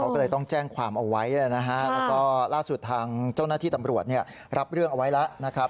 ก็เลยต้องแจ้งความเอาไว้นะฮะแล้วก็ล่าสุดทางเจ้าหน้าที่ตำรวจรับเรื่องเอาไว้แล้วนะครับ